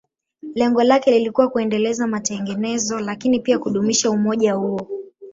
Lengo lake lilikuwa kuendeleza matengenezo, lakini pia kudumisha umoja huo.